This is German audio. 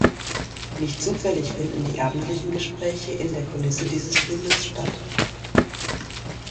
Nicht zufällig finden die abendlichen Gespräche in der Kulisse dieses Filmes statt.